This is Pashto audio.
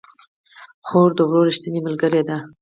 خور د ورور ريښتينې ملګرې ده